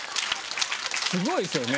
スゴいですよね。